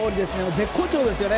絶好調ですよね。